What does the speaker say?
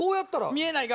見えないが。